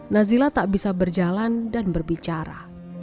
nazila tak bisa berjalan dan berbicara